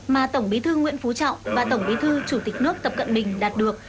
mà tổng bí thư nguyễn phú trọng và tổng bí thư chủ tịch nước tập cận bình đạt được